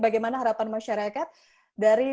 bagaimana harapan masyarakat dari